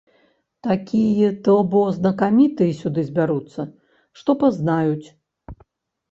Такія то бо знакамітыя сюды збяруцца, што пазнаюць.